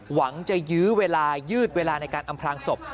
หวังจะยืดเวลาในการอำพลางศพ